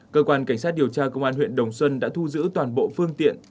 cơ quan cảnh sát điều tra công an huyện đồng xuân đã thu giữ toàn bộ phương tiện